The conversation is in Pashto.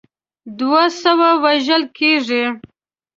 دوه سوه وژل کیږي.